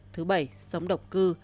thứ bảy sống độc cư